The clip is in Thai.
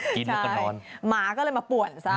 กินแล้วก็นอนหมาก็เลยมาป่วนซะ